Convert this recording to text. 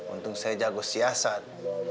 untung saja gue siasat